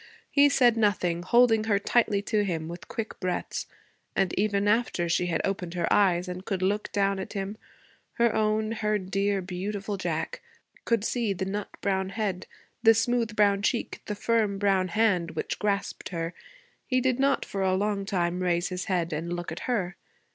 He said nothing, holding her tightly to him, with quick breaths; and even after she had opened her eyes and could look down at him, her own, her dear, beautiful Jack, could see the nut brown head, the smooth brown cheek, the firm brown hand which grasped her, he did not for a long time raise his head and look at her.